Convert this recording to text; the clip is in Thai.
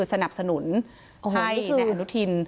สนับสนุนให้นายอนุทิน